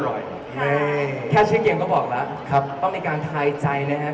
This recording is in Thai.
แคชเช็คเกมก็บอกแล้วต้องในการทายใจนะครับ